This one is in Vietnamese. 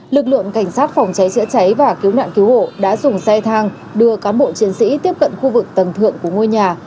lực lượng cảnh sát phòng cháy chữa cháy và cứu nạn cứu hộ đã dùng xe thang đưa cán bộ chiến sĩ tiếp cận khu vực tầng thượng của ngôi nhà